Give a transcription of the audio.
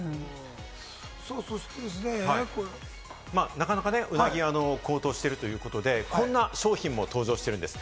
なかなか鰻が高騰しているということで、こんな商品も登場しているんです。